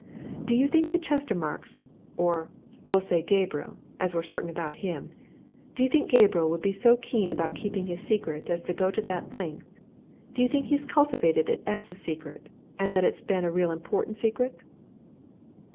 Do you think the Chestermarkes or, we'll say Gabriel, as we're certain about him do you think Gabriel would be so keen about keeping his secret as to go to that length? Do you think he's cultivated it as a secret that it's been a really important secret?"